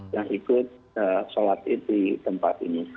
dan ikut sholat ibrat di tempat ini